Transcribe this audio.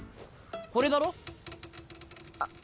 これだろ？あう！